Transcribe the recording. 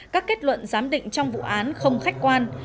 các kết luận giám định trong vụ án không khách quan